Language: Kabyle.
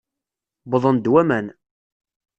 Wwḍen-d waman.